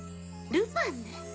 ルパンね？